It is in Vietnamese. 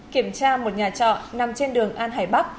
kiểm tra một nhà trọ nằm trên đường an hải bắc